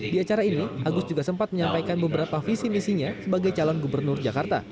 di acara ini agus juga sempat menyampaikan beberapa visi misinya sebagai calon gubernur jakarta